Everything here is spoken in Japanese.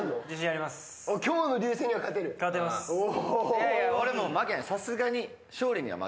いやいや俺も負けない。